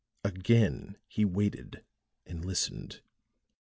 Again he waited, and listened.